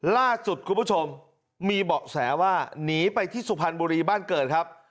ล่าสุดคุณผู้ชมมีเบาะแสว่าหนีไปที่สุพรรณบุรีบ้านเกิดครับ